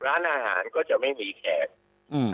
ร้านอาหารก็จะไม่มีแขกอืม